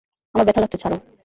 আমার ব্যাথা লাগছে, ছাড়ো।